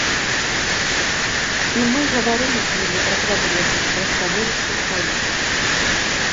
І мы гаварылі з імі пра праблемы, пра становішча ў краіне.